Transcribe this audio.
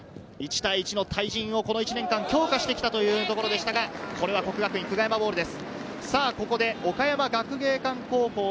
１対１の対人をこの１年間強化してきたというところでしたが、これは國學院久我山ボールです。